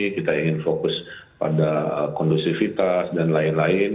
kita ingin fokus pada kondusivitas dan lain lain